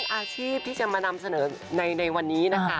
อาชีพที่จะมานำเสนอในวันนี้นะคะ